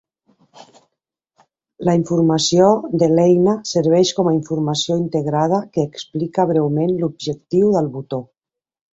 La informació de l'eina serveix com a informació integrada que explica breument l'objectiu del botó.